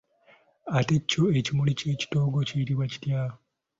Ate kyo ekimuli ky'ekitoogo kiyitibwa kitya?